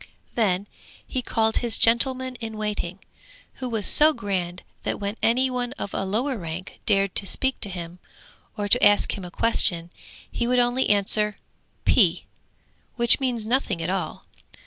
Then he called his gentleman in waiting, who was so grand that when any one of a lower rank dared to speak to him, or to ask him a question, he would only answer 'P,' which means nothing at all.